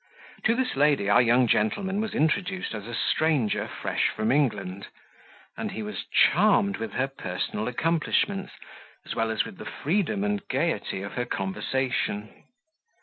To this lady our young gentleman was introduced as a stranger fresh from England; and he was charmed with her personal accomplishments, as well as with the freedom and gaiety of her conversation.